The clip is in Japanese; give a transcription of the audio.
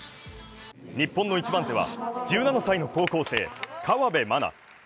日本の一番手は、１７歳の高校生、河辺真菜。